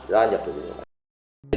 đối mặt với